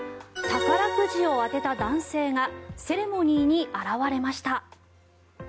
宝くじを当てた男性がセレモニーに現れました。